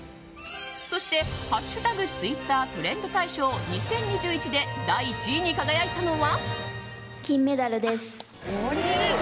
そして、「＃Ｔｗｉｔｔｅｒトレンド大賞２０２１」で第１位に輝いたのは。